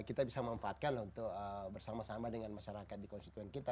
kita bisa memanfaatkan untuk bersama sama dengan masyarakat di konstituen kita